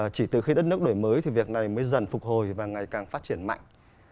chỉ từ khi đất nước đổi mới thì việc này mới dần phục hồi và ngày càng phát triển mạnh